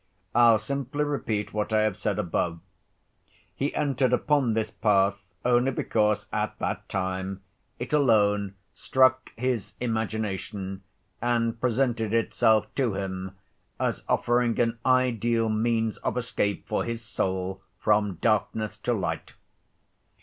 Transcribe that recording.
I'll simply repeat what I have said above. He entered upon this path only because, at that time, it alone struck his imagination and presented itself to him as offering an ideal means of escape for his soul from darkness to light.